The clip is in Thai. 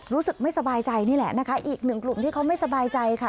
รู้สึกไม่สบายใจนี่แหละนะคะอีกหนึ่งกลุ่มที่เขาไม่สบายใจค่ะ